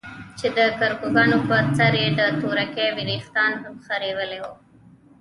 چې دکرکانو په سر يې د تورکي وريښتان خرييلي وو.